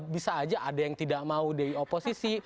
bisa aja ada yang tidak mau di oposisi